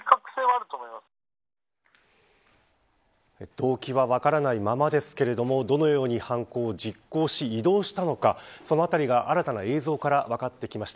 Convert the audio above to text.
動機は分からないままですけれどもどのように犯行を実行し移動したのかそのあたりが、新たな映像から分かってきました。